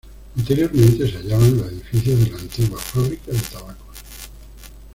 Anteriormente se hallaba en los edificios de la antigua Fábrica de Tabacos.